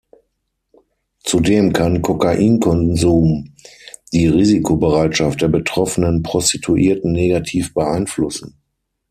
Zudem kann Kokainkonsum die Risikobereitschaft der betroffenen Prostituierten negativ beeinflussen.